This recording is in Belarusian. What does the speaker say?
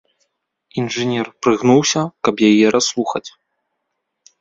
Інжынер прыгнуўся, каб яе расслухаць.